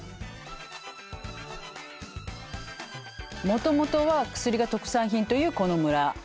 もともとは薬が特産品というこの村。